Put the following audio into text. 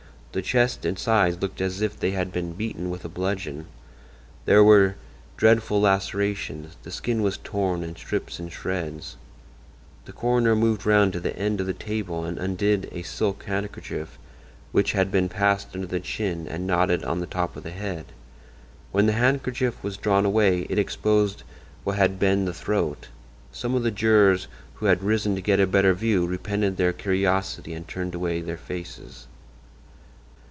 The chest and sides looked as if they had been beaten with a bludgeon. There were dreadful lacerations; the skin was torn in strips and shreds. The coroner moved round to the end of the table and undid a silk handkerchief which had been passed under the chin and knotted on the top of the head. When the handkerchief was drawn away it exposed what had been the throat. Some of the jurors who had risen to get a better view repented their curiosity and turned away their faces.